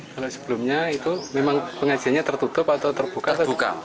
kalau sebelumnya itu memang pengajiannya tertutup atau terbuka terbuka